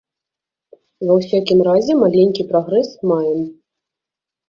Ва ўсякім разе, маленькі прагрэс маем.